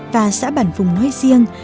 và xã bản phùng nói riêng